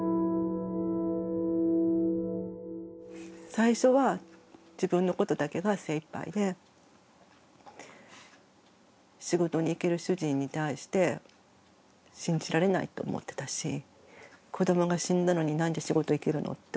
最初は自分のことだけが精いっぱいで仕事に行ける主人に対して信じられないと思ってたし子どもが死んだのになんで仕事行けるのって思ってたし。